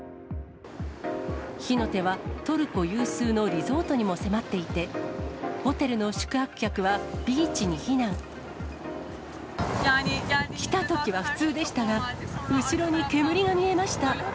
火の手はトルコ有数のリゾートにも迫っていて、来たときは普通でしたが、後ろに煙が見えました。